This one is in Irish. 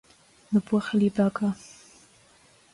Na buachaillí beaga